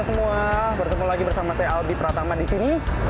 hanya bergerak sekitar dua atau tiga km